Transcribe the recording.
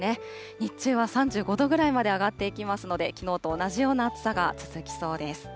日中は３５度ぐらいまで上がっていきますので、きのうと同じような暑さが続きそうです。